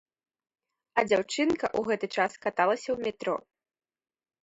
А дзяўчынка ў гэты час каталася ў метро.